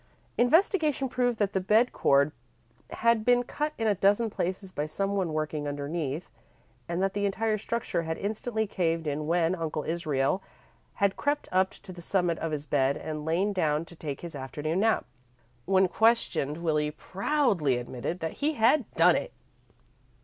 Investigation proved that the bed cord had been cut in a dozen places by some one working underneath, and that the entire structure had instantly caved in when Uncle Israel had crept up to the summit of his bed and lain down to take his afternoon nap. When questioned, Willie proudly admitted that he had done it.